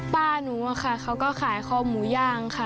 ป้าหนูอะค่ะเขาก็ขายคอหมูย่างค่ะ